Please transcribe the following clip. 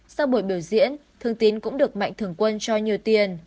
sau buổi biểu diễn thương tín cũng được mạnh thường quân cho nhiều tiền